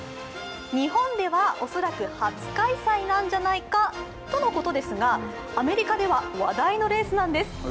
日本ではおそらく初開催なのではないかとのことですが、アメリカでは話題のレースなんです。